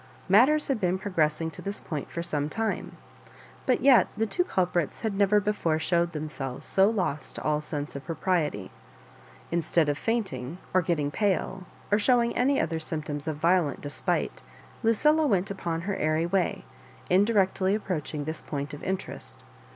Matters had be6n progressing to this point for some time ; but yet the two culprits had never before showed themselves so lost to all sense of propriety. Instead of fainting or getting pale, or showing any other symptoms of violent despite, Lucilla went upon her airy way, indi rectly approaching this point of interest.